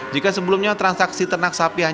jika sebelumnya petani sapi tidak bisa dikumpulkan